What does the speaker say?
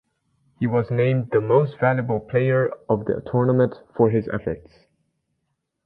He was named the Most Valuable Player of the tournament for his efforts.